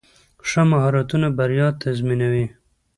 ښه مهارتونه بریا تضمینوي.